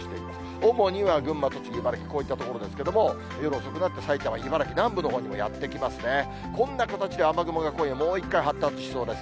主に群馬や栃木、茨城、こういった所ですけれども、夜遅くなって、埼玉、茨城南部のほうにもやって来ますね。今夜、こういう形で、雨雲発達しそうです。